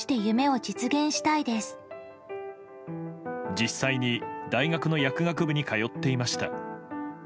実際に大学の薬学部に通っていました。